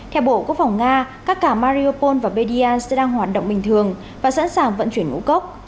theo bộ quốc phòng nga các cảng mariupol và bediansk sẽ đang hoạt động bình thường và sẵn sàng vận chuyển ngũ cốc